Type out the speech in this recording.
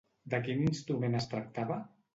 De quin instrument es tractava?